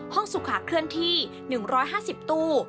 สุขาเคลื่อนที่๑๕๐ตู้